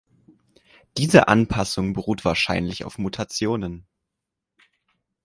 Diese Anpassung beruht wahrscheinlich auf Mutationen.